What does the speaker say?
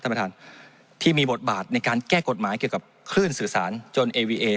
ท่านประธานที่มีบทบาทในการแก้กฎหมายเกี่ยวกับคลื่นสื่อสารจนเอวีเอ